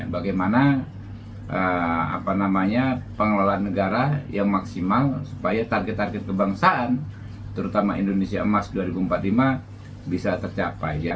bagaimana pengelolaan negara yang maksimal supaya target target kebangsaan terutama indonesia emas dua ribu empat puluh lima bisa tercapai